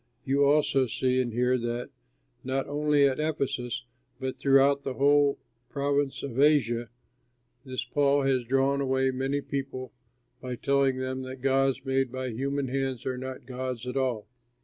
You also see and hear that, not only at Ephesus but throughout the whole province of Asia, this Paul has drawn away many people by telling them that gods made by human hands are not gods at all.